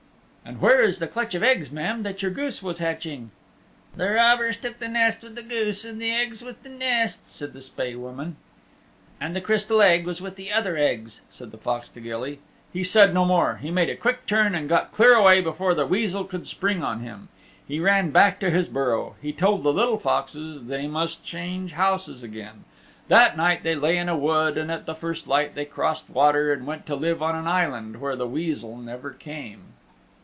"And where is the clutch of eggs, ma'am, that your goose was hatching?" "The robbers took the nest with the goose and the eggs with the nest," said the Spae Woman. "And the Crystal Egg was with the other eggs," said the Fox to Gilly. He said no more. He made a quick turn and got clear away before the Weasel could spring on him. He ran back to his burrow. He told the little foxes they must change houses again. That night they lay in a wood and at the first light they crossed water and went to live on an island where the Weasel never came.